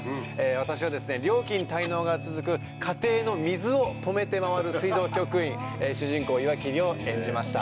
私はですね料金滞納が続く家庭の水を止めて回る水道局員主人公岩切を演じました。